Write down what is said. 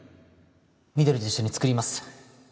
みどりと一緒に作ります